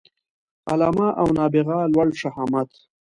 علامه او نابغه لوړ شهامت